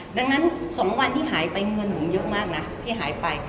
ดังนั้น๒วันที่หายไปเงินผมเยอะมากนะที่หายไป